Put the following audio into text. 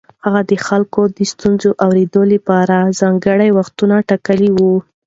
هغه د خلکو د ستونزو اورېدو لپاره ځانګړي وختونه ټاکلي وو.